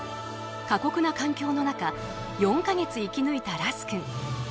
過酷な環境の中４か月生き抜いたラス君。